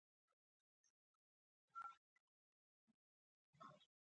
مجاهد د الله لپاره خپله کورنۍ پرېږدي.